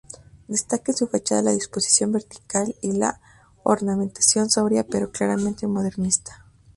Destaca en su fachada la disposición vertical y la ornamentación sobria pero claramente modernista.